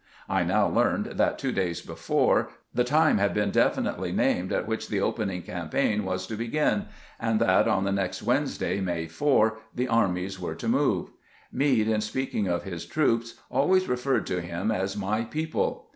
I now learned that, two days before, the time had been definitely named at which the opening campaign was to begin, and that on the next Wednesday, May 4, the armies were to move. Meade, in speaking of his troops, always referred to them as " my people."